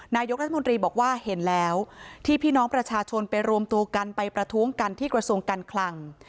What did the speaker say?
นายกรัฐมนตรีบอกว่าเห็นแล้วที่พี่น้องประชาชนไปรวมตัวกันไปประท้วงกันที่กระทรวงการคลัง